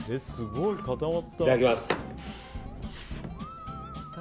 いただきます。